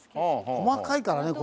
細かいからねこれ。